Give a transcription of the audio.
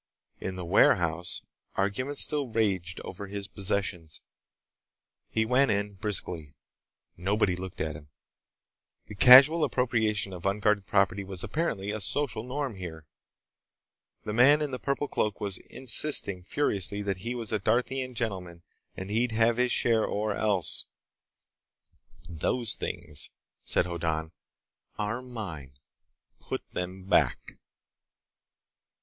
In the warehouse, argument still raged over his possessions. He went in, briskly. Nobody looked at him. The casual appropriation of unguarded property was apparently a social norm, here. The man in the purple cloak was insisting furiously that he was a Darthian gentleman and he'd have his share or else— "Those things," said Hoddan, "are mine. Put them back."